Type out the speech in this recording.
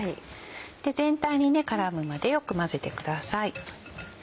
全体に絡むまでよく混ぜてください。